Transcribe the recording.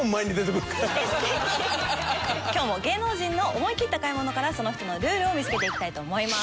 今日も芸能人の思い切った買い物からその人のルールを見付けていきたいと思います。